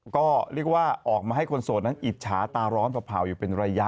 ก็เรียกว่าออกมาให้คนโสดนั้นอิจฉาตาร้อนเผ่าอยู่เป็นระยะ